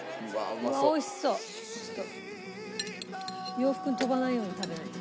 洋服に飛ばないように食べないと。